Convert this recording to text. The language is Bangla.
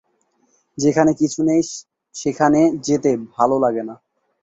যেখানে কিছু নেই, সেখানে যেতে ভালো লাগে না।